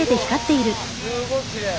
すごいきれい。